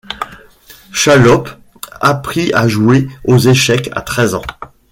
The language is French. Schallopp apprit à jouer aux échecs à treize ans.